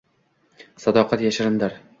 Sadoqat yashirindir